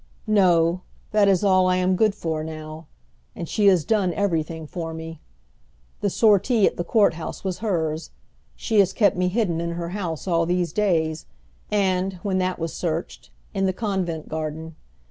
"No, that is all I am good for now. And she has done everything for me. The sortie at the court house was hers. She has kept me hidden in her house all these days; and, when that was searched, in the convent garden.